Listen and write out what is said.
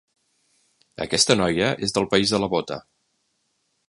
Aquesta noia és del país de la bota.